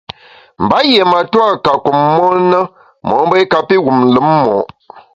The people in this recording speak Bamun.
Mba yié matua ka kum mon na mo’mbe i kapi wum lùm mo’.